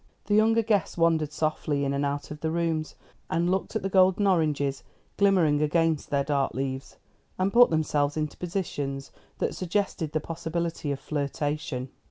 The younger guests wandered softly in and out of the rooms, and looked at the golden oranges glimmering against their dark leaves, and put themselves into positions that suggested the possibility of flirtation.